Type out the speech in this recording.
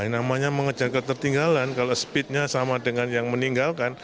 namanya mengejar ketertinggalan kalau speednya sama dengan yang meninggalkan